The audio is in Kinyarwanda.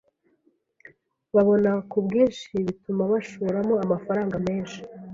babona ku bwinshi bituma bashoramo amafaranga menshi.